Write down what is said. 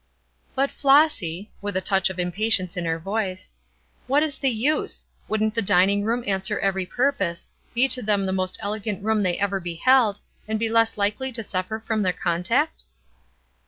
"But, Flossy," with a touch of impatience in her voice, "what is the use? Wouldn't the dining room answer every purpose; be to them the most elegant room they ever beheld, and be less likely to suffer from their contact?"